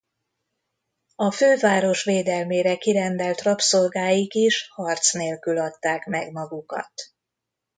A főváros védelmére kirendelt rabszolgáik is harc nélkül adták meg magukat.